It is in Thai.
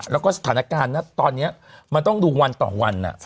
แล้วก็สถานการณ์นะตอนนี้มันต้องดูวันต่อวัน